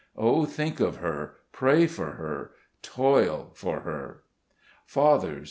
Oh, think of her, pray for her, toil for her? Fathers